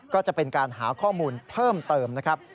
ก็จะเป็นการหาข้อมูลเพิ่มเติมนะครับ